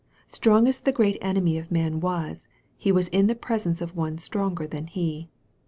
Strong as the great enemy of man was, he was in the presence of One stronger than he.